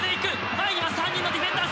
前には３人のディフェンダー！